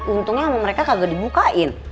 untungnya sama mereka kagak dibukain